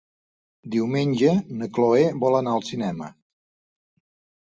Diumenge na Cloè vol anar al cinema.